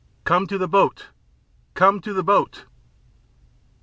"Come to the boat! Come to the boat!"